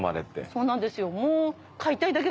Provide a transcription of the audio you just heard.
そうなんですよ。